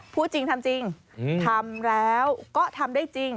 พูดจริงทำจริงทำแล้วก็ทำได้จริง